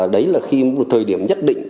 đấy là khi một thời điểm nhất định